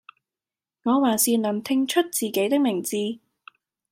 我還是能聽出自己的名字